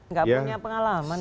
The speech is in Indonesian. nggak punya pengalaman